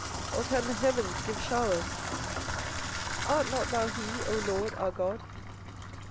or can the heavens give showers? art not thou he, O LORD our God?